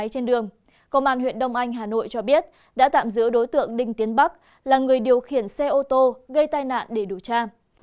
trên đường công an huyện đông anh hà nội cho biết đã tạm giữ đối tượng đinh tiến bắc là người điều khiển xe ô tô gây tai nạn để điều tra